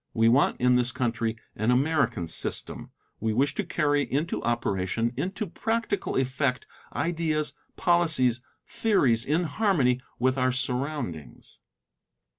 We want in this country an American system; we wish to carry into operation, into practical effect, ideas, policies, theories in harmony with our surroundings.